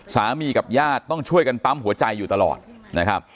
สามีกับญาติต้องช่วยกันปั๊มหัวใจอยู่ตลอดนะครับ